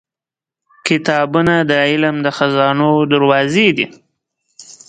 • کتابونه د علم د خزانو دروازې دي.